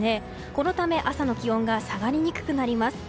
このため朝の気温が下がりにくくなります。